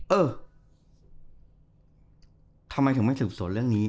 เออทำไมถึงไม่สืบสวนเรื่องนี้